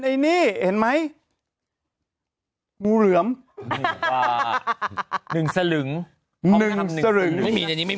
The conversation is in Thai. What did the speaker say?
ไม่มีอันนี้ไม่มี